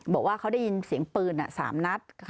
บอกว่าเขาได้ยินเสียงปืน๓นัด